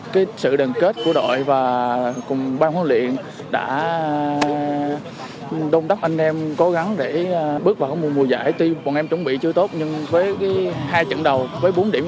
cái sự đoàn kết của đội và cùng ban huấn luyện đã đôn đốc anh em cố gắng để bước vào mùa giải tuy bọn em chuẩn bị chưa tốt nhưng với hai trận đầu với bốn điểm